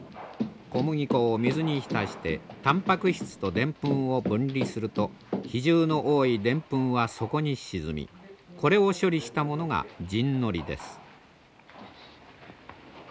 小麦粉を水に浸してたんぱく質とでんぷんを分離すると比重の多いでんぷんは底に沈みこれを処理したものが沈糊です。